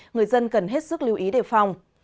người dân cần hết sức lưu ý đề phòng